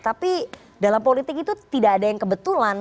tapi dalam politik itu tidak ada yang kebetulan